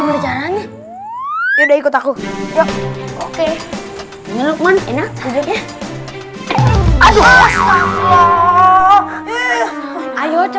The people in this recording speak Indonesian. positi mau manggah